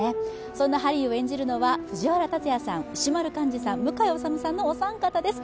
そんなハリーを演じるのは、藤原竜也さん、石丸幹二さん、向井理さんのお三方です。